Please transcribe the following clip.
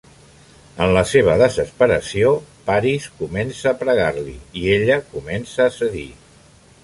En la seva desesperació, Paris comença a pregar-li, i ella comença a cedir.